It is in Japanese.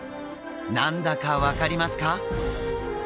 何だか分かりますか？